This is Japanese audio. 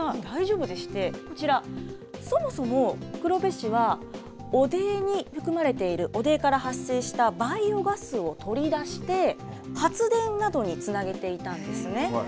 心配になりますが、大丈夫でして、こちら、そもそも、黒部市は、汚泥に含まれている、汚泥から発生したバイオガスを取り出して、発電などにつなげていたんですね。